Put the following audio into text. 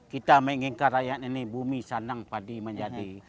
kita menginginkan rakyat ini bumi sandang padi menjadi